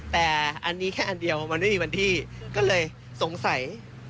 แต่อันนี้แค่อันเดียวมันไม่มีวันที่ก็เลยสงสัย